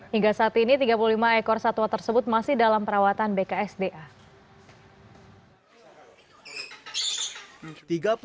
hingga saat ini tiga puluh lima ekor satwa tersebut masih dalam perawatan bksda